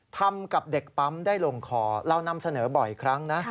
ทำกับเด็กปั๊มได้ลงคอเรานำเสนอบ่อยครั้งนะ